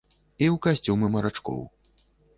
І ў касцюмы марачкоў.